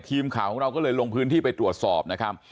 ทีมข่าวของเราก็เลยลงพื้นที่ไปตรวจสอบนะครับ